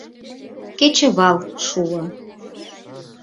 Кечывал шуо.